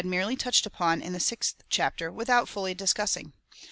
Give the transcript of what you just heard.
merely touched upon in tlie sixtli chapter, without fully discussing.